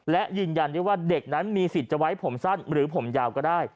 และยืนยันได้ว่าเด็กนั้นมีสิทธิ์จะไว้ผมสั้นหรือผมยาวก็ได้